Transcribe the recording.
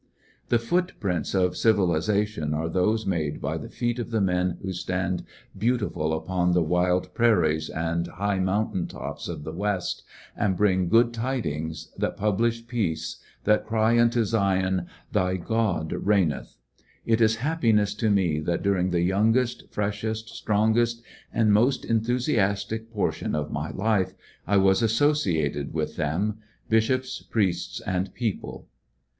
The footprints of civilization are those made by the feet of the men who stand beautiful upon the wild prairies and high mountain tops of the West, and bring good tidings, that publish peace^ that cry unto Zion, "Thy God reigneth,'' It is happiness to me that during the youngest, freshest^ strong estj and most enthusiastic poi tion of my life I was associated with them*^bishops, priests, and people.